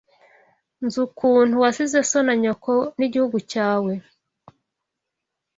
Nzi ukuntu wasize so na nyoko n’igihugu cyawe